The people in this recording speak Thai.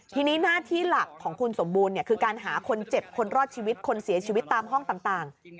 ทีนี้หน้าที่หลักของคุณสมบูรณ์คือการหาคนเจ็บคนรอดชีวิตคนเสียชีวิตตามห้องต่าง